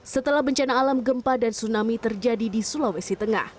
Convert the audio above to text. setelah bencana alam gempa dan tsunami terjadi di sulawesi tengah